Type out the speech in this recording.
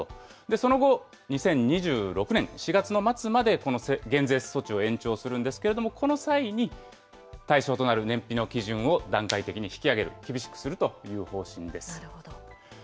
その後、２０２６年４月の末まで、この減税措置を延長するんですけれども、この際に、対象となる燃費の基準を段階的に引き上げる、なるほど。